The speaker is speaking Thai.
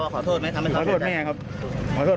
ขอโทษญาติพี่น้องทุกคนครับแม่เราอ่ะขอโทษไหมครับ